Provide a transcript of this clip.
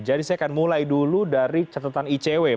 jadi saya akan mulai dulu dari catatan icw mas